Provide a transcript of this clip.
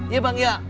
iya bang ya